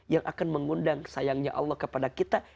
yang akan mengundang sayangnya allah kepada kita